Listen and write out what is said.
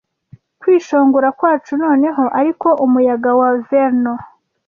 Kwishongora kwacu noneho ariko Umuyaga wa Vernal;